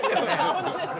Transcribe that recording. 本当ですか？